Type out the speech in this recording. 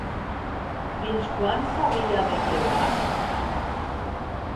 Fins quan s'havia de quedar?